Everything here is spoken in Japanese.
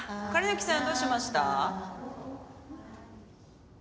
木さんどうしました？